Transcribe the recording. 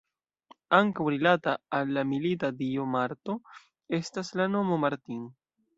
Ankaŭ rilata al la milita dio Marto estas la nomo Martin.